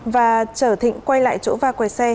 và trở thịnh quay lại chỗ va quẹt xe